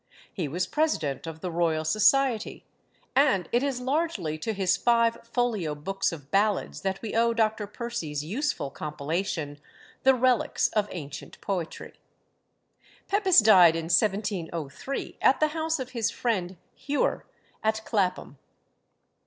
He was President of the Royal Society; and it is largely to his five folio books of ballads that we owe Dr. Percy's useful compilation, The Relics of Ancient Poetry. Pepys died in 1703, at the house of his friend Hewer, at Clapham.